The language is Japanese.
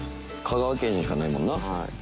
香川県にしかないもんな。